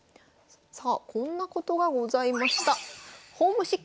さあこんなことがございました。